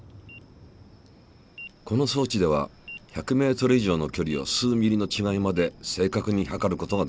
この装置では１００ｍ以上のきょりを数ｍｍのちがいまで正確に測ることができる。